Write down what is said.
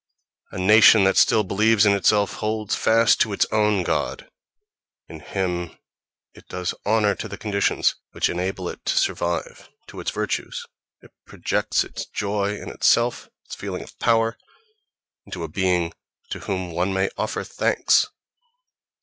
—A nation that still believes in itself holds fast to its own god. In him it does honour to the conditions which enable it to survive, to its virtues—it projects its joy in itself, its feeling of power, into a being to whom one may offer thanks.